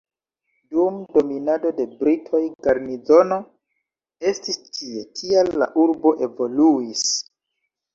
Dum dominado de britoj garnizono estis tie, tial la urbo evoluis.